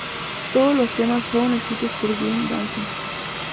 Todos los temas fueron escritos por Glenn Danzig.